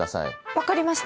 分かりました。